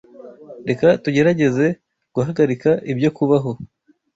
Reka tugerageze guhagarika ibyo kubaho.